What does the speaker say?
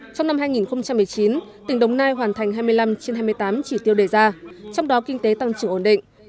trong năm hai nghìn một mươi chín tỉnh đồng nai hoàn thành hai mươi năm trên hai mươi tám chỉ tiêu đề ra trong đó kinh tế tăng trưởng ổn định